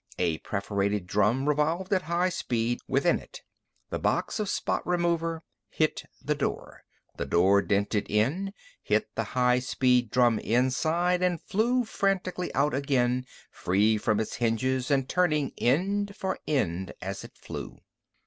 A perforated drum revolved at high speed within it. The box of spot remover hit the door. The door dented in, hit the high speed drum inside, and flew frantically out again, free from its hinges and turning end for end as it flew.